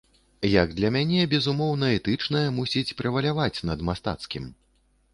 Як для мяне, безумоўна, этычнае мусіць прэваляваць над мастацкім.